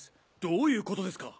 どういうことですか！